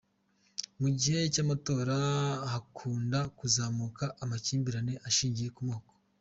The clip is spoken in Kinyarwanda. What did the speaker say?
Mu gihe cy’amatora hakunda kuzamuka amakimbirane ashingiye ku moko.